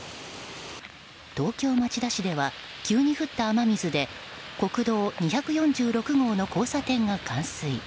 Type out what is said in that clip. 東京・町田市では急に降った雨水で国道２４６号の交差点が冠水。